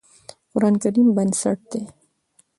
د قرآن کريم بنسټ دی